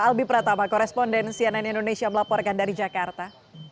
albi pratama korespondensi ananya indonesia melaporkan dari jakarta